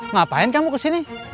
ngapain kamu kesini